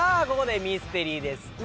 ここでミステリーです